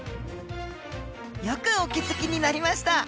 よくお気付きになりました！